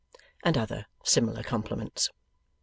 and other similar compliments.